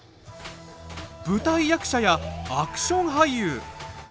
舞台役者やアクション俳優！